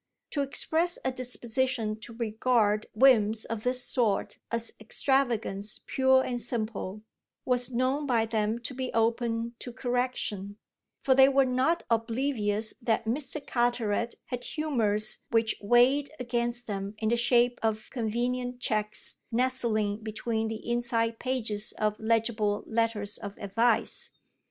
Too express a disposition to regard whims of this sort as extravagance pure and simple was known by them to be open to correction; for they were not oblivious that Mr. Carteret had humours which weighed against them in the shape of convenient cheques nestling between the inside pages of legible letters of advice.